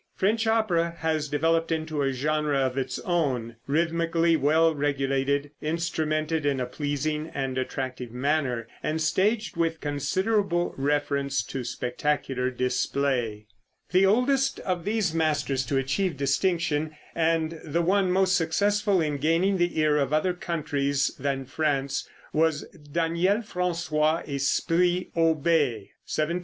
French opera has developed into a genre of its own, rhythmically well regulated, instrumented in a pleasing and attractive manner, and staged with considerable reference to spectacular display. [Illustration: Fig. 90. AUBER.] The oldest of these masters to achieve distinction, and the one most successful in gaining the ear of other countries than France, was Daniel François Esprit Auber (1782 1870).